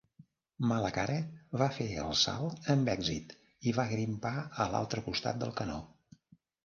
Malacara va fer el salt amb èxit i va grimpar a l'altre costat del canó.